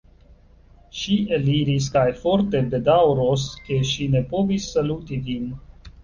Ŝi eliris kaj forte bedaŭros, ke ŝi ne povis saluti vin.